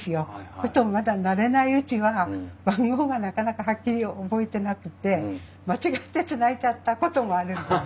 そうするとまだ慣れないうちは番号がなかなかはっきり覚えてなくて間違ってつないじゃったこともあるんです。